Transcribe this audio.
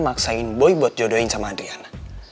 maksain boy buat jodohin sama adriana